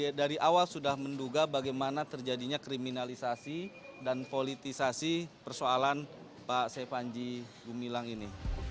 jadi kita dari awal sudah menduga bagaimana terjadinya kriminalisasi dan politisasi persoalan pak panjegu bilang ini